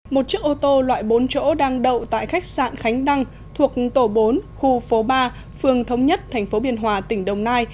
một chiếc ô tô loại bốn chỗ đang đậu tại khách sạn khánh đăng thuộc tổ bốn khu phố ba phường thống nhất tp biên hòa tỉnh đồng nai